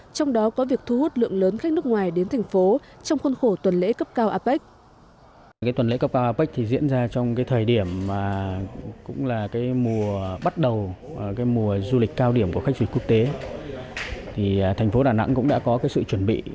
trong đó có việc thu hút lượng lớn khách nước ngoài đến thành phố trong khuôn khổ tuần lễ cấp cao apec